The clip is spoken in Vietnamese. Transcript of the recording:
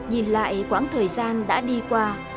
nhìn lại quãng thời gian đã đi qua